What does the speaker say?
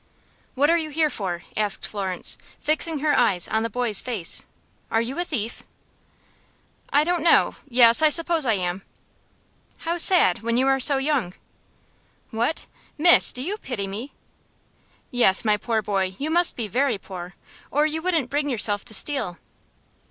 "What are you here for?" asked Florence, fixing her eyes on the boy's face; "are you a thief?" "I don't know yes, I suppose I am." "How sad, when you are so young." "What! miss, do you pity me?" "Yes, my poor boy, you must be very poor, or you wouldn't bring yourself to steal."